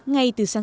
ngay từ sáng sáng